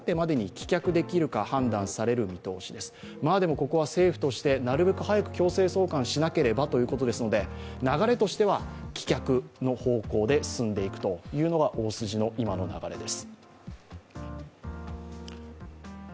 ここは政府としてなるべく早く強制送還しなければということですので流れとしては棄却の方向で進んでいくというのが大筋の今の流れです。